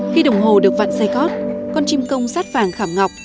khi đồng hồ được vặn say cót con chim cong sát vàng khảm ngọc